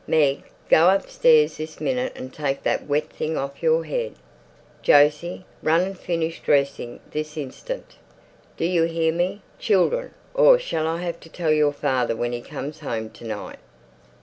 Meg, go upstairs this minute and take that wet thing off your head. Jose, run and finish dressing this instant. Do you hear me, children, or shall I have to tell your father when he comes home to night?